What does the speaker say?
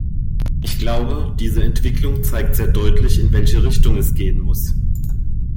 Ich glaube, diese Entwicklung zeigt sehr deutlich, in welche Richtung es gehen muss.